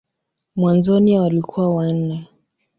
Mwanzoni walikuwa wanne.